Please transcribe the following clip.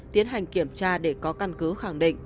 tiến hành kiểm tra để có căn cứ khẳng định